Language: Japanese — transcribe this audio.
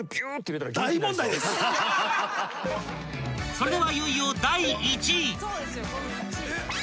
［それではいよいよ第１位］